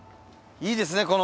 いいですね